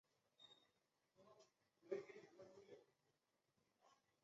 查耶夫斯基被认为是美国电视黄金时代最具声望的剧作家。